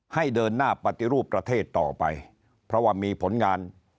ให้เดินหน้าปฏิรูปประเทศต่อไปเพราะว่ามีผลงาน